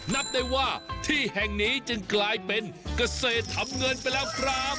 นับได้ว่าที่แห่งนี้จึงกลายเป็นเกษตรทำเงินไปแล้วครับ